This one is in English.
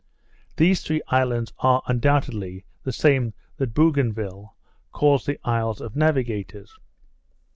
These three islands are, undoubtedly, the same that Bougainville calls the Isles of Navigators.